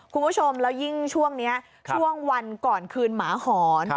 คุณผู้ชมแล้วยิ่งช่วงนี้ช่วงวันก่อนคืนหมาหอน